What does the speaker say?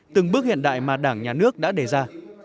từng bước hiện đại mà đảng nhà nước đã đề ra